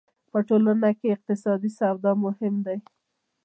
په ټولنه کې اقتصادي سواد مهم دی.